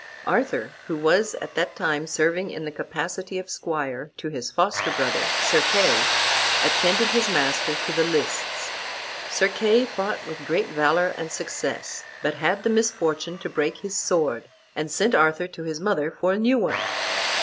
Arthur, who was at that time serving in the capacity of squire to his foster brother, Sir Kay, attended his master to the lists. Sir Kay fought with great valor and success, but had the misfortune to break his sword, and sent Arthur to his mother for a new one.